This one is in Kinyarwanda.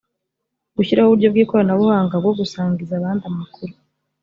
gushyiraho uburyo bw ikoranabuhanga bwo gusangiza abandi amakuru